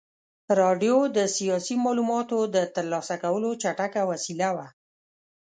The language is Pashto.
راډیو د سیاسي معلوماتو د ترلاسه کولو چټکه وسیله وه.